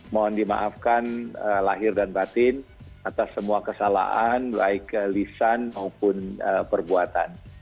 mohon dimaafkan lahir dan batin atas semua kesalahan baik lisan maupun perbuatan